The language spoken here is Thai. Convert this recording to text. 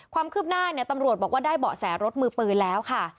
ความคืบหน้าเนี่ยตำรวจบอกว่าได้เบาะแสรถมือปืนแล้วค่ะ